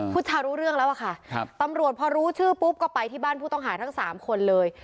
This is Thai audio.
ผู้ชายรู้เรื่องแล้วอะค่ะตำรวจพอรู้ชื่อปุ๊บก็ไปที่บ้านผู้ต้องหาทั้ง๓คนเลย